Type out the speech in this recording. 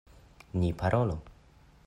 Ni parolu.